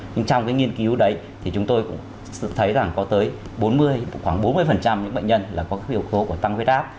nhưng trong cái nghiên cứu đấy thì chúng tôi cũng thấy rằng có tới bốn mươi khoảng bốn mươi những bệnh nhân là có các yếu tố của tăng huyết áp